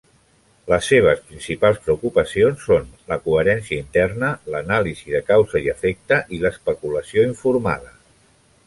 Les seves principals preocupacions són la coherència interna, l'anàlisi de causa i efecte i l'especulació informada.